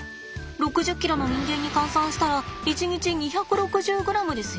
６０ｋｇの人間に換算したら１日２６０ｇですよ。